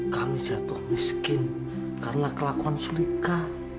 kami jatuh miskin karena kelakon sulika